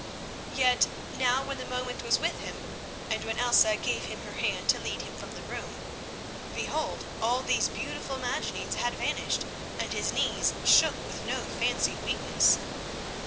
Yet now when the moment was with him, and when Elsa gave him her hand to lead him from the room, behold! all these beautiful imaginings had vanished, and his knees shook with no fancied weakness.